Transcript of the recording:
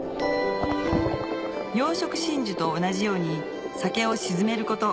養殖真珠と同じように酒を沈めること